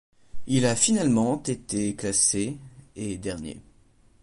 Il a finalement été classé et dernier.